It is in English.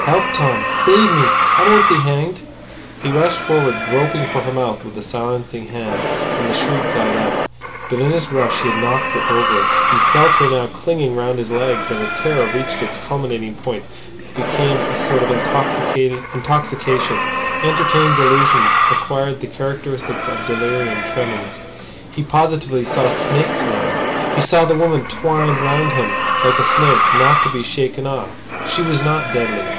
"Help, Tom! Save me. I won't be hanged!" He rushed forward, groping for her mouth with a silencing hand, and the shriek died out. But in his rush he had knocked her over. He felt her now clinging round his legs, and his terror reached its culminating point, became a sort of intoxication, entertained delusions, acquired the characteristics of delirium tremens. He positively saw snakes now. He saw the woman twined round him like a snake, not to be shaken off. She was not deadly.